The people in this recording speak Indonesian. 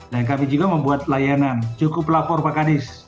dan kami juga membuat layanan cukup lapor pak anies